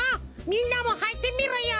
みんなもはいてみろよ！